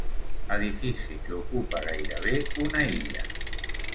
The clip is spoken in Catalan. Edifici que ocupa gairebé una illa.